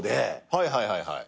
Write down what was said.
はいはいはいはい。